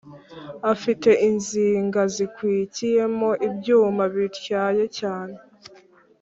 afite inziga zikwikiyemo ibyuma bityaye cyane